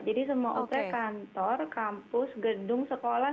jadi semua utreh kantor kampus gedung sekolah